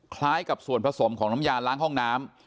คล้ายกับส่วนผสมของน้ำยาล้างห้องน้ำ